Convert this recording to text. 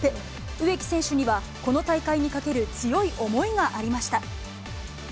植木選手には、この大会にかける強い思いがありました。